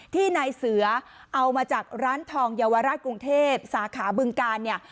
ที่นายเสือเอามาจากร้านทองเยาวราชกรุงเทพสาขาบึงกาลเนี่ย